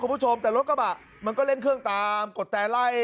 คุณผู้ชมแต่รถกระบะมันก็เร่งเครื่องตามกดแต่ไล่